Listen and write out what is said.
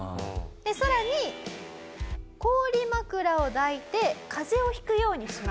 更に氷枕を抱いて風邪を引くようにします。